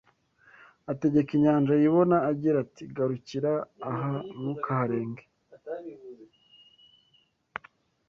Ategeka inyanja yibona agira ati, “Garukira aha ntukaharenge